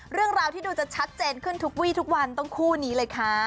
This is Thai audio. เรื่องราวที่ดูจะชัดเจนขึ้นทุกวี่ทุกวันต้องคู่นี้เลยค่ะ